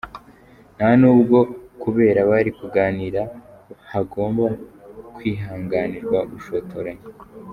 Nta nubwo kubera bari kuganira hagomba kwihanganirwa ubushotoranyi.